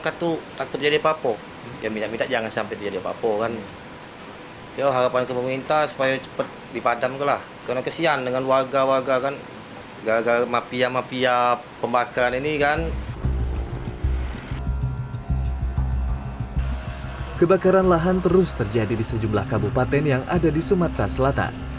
kebakaran lahan terus terjadi di sejumlah kabupaten yang ada di sumatera selatan